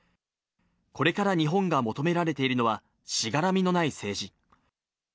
これから日本が求められているのは、しがらみのない政治。